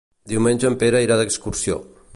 Diumenge en Pere irà d'excursió.